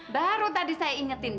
baru tadi saya ingetin